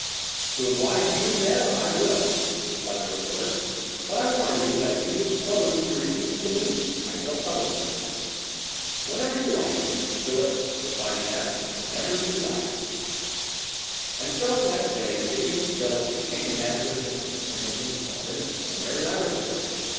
"To oblige you, Neb, I will," replied the reporter; "but I warn you that if you disclose your receipts to me, I shall publish them." "Whenever you like, Mr. Spilett," replied Neb; "whenever you like." And so the next day Gideon Spilett became Neb's assistant and was installed in his culinary laboratory.